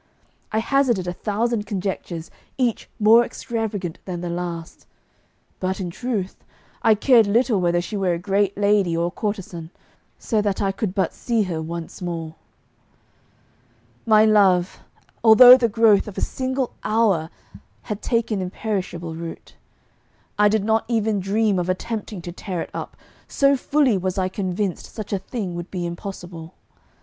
I hazarded a thousand conjectures, each more extravagant than the last; but, in truth, I cared little whether she were a great lady or a courtesan, so that I could but see her once more. My love, although the growth of a single hour, had taken imperishable root. I did not even dream of attempting to tear it up, so fully was I convinced such a thing would be impossible.